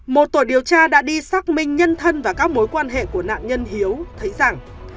một tổ điều tra đã đi xác minh nhân thân và các mối quan hệ của nạn nhân hiếu thấy rằng